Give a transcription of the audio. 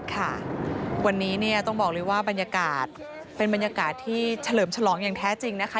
ค่ะวันนี้เนี่ยต้องบอกเลยว่าบรรยากาศเป็นบรรยากาศที่เฉลิมฉลองอย่างแท้จริงนะคะ